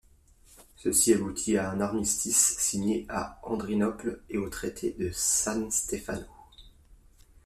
Ceci aboutit à un armistice, signé à Andrinople, et au traité de San Stefano.